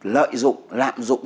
lợi dụng lạm dụng